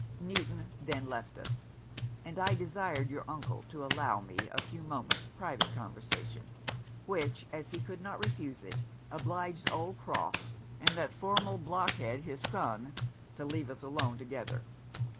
Newton then left us; and I desired your uncle to allow me a few moments private conversation; which, as he could not refuse it, obliged old Crofts, and that formal blockhead his son, to leave us alone together.